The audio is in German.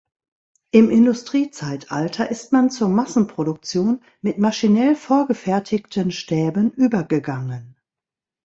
Im Industriezeitalter ist man zur Massenproduktion mit maschinell vorgefertigten Stäben übergegangen.